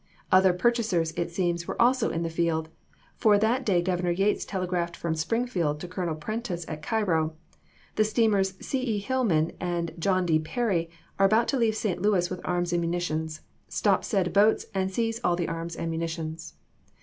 Other purchasers, it seems, were also in the field, for that day Governor Yates telegraphed from Springfield to Colonel' Prentiss at Cairo: "The steamers C. E. Hillman and John D. Perry are about to leave St. Louis with arms and munitions. Stop said boats and seize all the arms and munitions."